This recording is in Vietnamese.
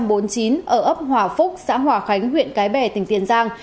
ở ấp hòa phúc xã hòa khánh huyện cái bè tỉnh tiền giang